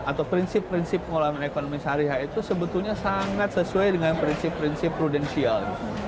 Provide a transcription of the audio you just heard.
atau prinsip prinsip pengelolaan ekonomi syariah itu sebetulnya sangat sesuai dengan prinsip prinsip prudensial